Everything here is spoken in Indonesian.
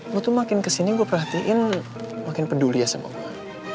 lu tuh makin kesini gue perhatiin makin peduli ya sama gue